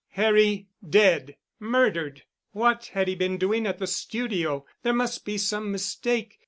Harry—dead——! murdered——! What had he been doing at the studio? There must be some mistake.